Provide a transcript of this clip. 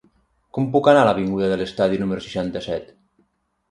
Com puc anar a l'avinguda de l'Estadi número seixanta-set?